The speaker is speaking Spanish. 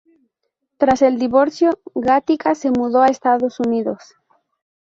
Tras el divorcio, Gatica se mudó a Estados Unidos.